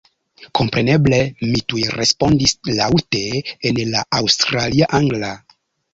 Kompreneble mi tuj respondis laŭte en la aŭstralia angla.